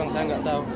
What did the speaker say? saya nggak tahu